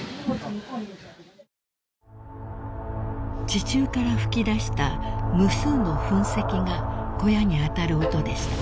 ［地中から噴き出した無数の噴石が小屋に当たる音でした］